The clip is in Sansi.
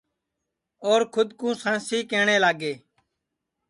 اور کھود کُو سانسی کہٹؔے لاگے